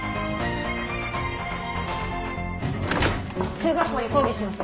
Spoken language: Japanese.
中学校に抗議します。